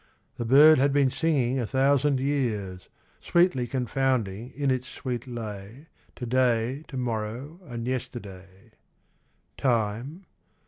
The bird had been singing a thousand years : Sweetly confounding in its sweet lay To day, to morrow, and yesterday. Time